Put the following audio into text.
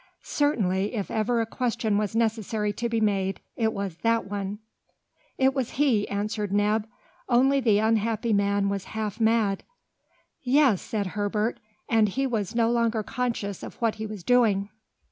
Certainly, if ever a question was necessary to be made, it was that one! "It was he," answered Neb, "only the unhappy man was half mad." "Yes!" said Herbert, "and he was no longer conscious of what he was doing."